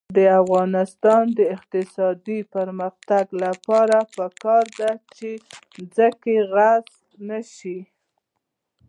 د افغانستان د اقتصادي پرمختګ لپاره پکار ده چې ځمکه غصب نشي.